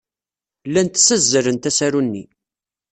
Llant ssazzalent asaru-nni.